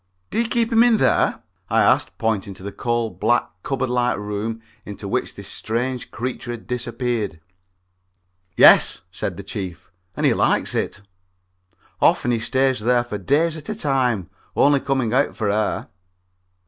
"Do you keep him in there?" I asked, pointing to the coal black cupboard like room into which this strange creature had disappeared. "Yes," said the Chief, "and he likes it. Often he stays there for days at a time, only coming out for air."